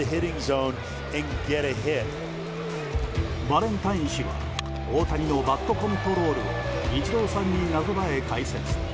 バレンタイン氏は大谷のバットコントロールをイチローさんになぞらえ、解説。